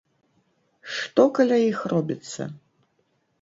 Што каля іх робіцца?!